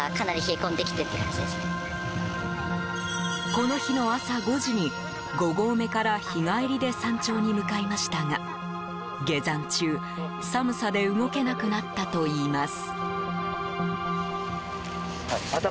この日の朝５時に５合目から日帰りで山頂に向かいましたが下山中、寒さで動けなくなったといいます。